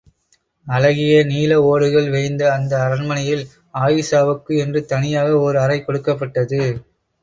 அழகிய நீல ஓடுகள் வேய்ந்த அந்த அரண்மனையில், அயீஷாவுக்கு என்று தனியாக ஓர் அறை கொடுக்கப்பட்டது.